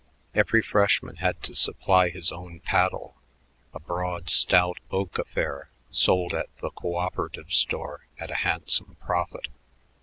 Every freshman had to supply his own paddle, a broad, stout oak affair sold at the cooperative store at a handsome profit.